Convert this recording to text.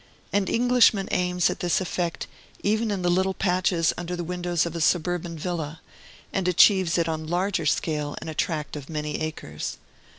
An Englishman aims at this effect even in the little patches under the windows of a suburban villa, and achieves it on a larger scale in a tract of many acres.